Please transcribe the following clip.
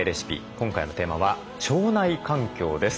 今回のテーマは「腸内環境」です。